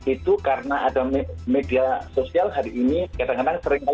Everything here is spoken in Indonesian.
itu karena ada media sosial hari ini kadang kadang seringkali itu tumpang pindih